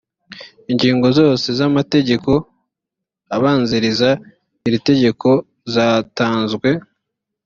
ingingo zose z’amategeko abanziriza iri tegeko zatanzwe